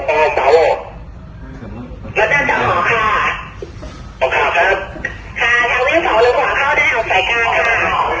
อ๋อตอนเสาร์แล้วนั่นจะออกค่ะต้องข้ามครับค่ะทางวิทย์สองแล้วขวาเข้าได้เอาไฟการค่ะ